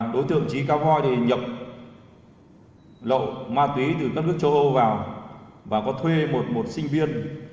đối tượng trí cá voi nhập lộ ma túy từ các nước châu âu vào và có thuê một một sinh viên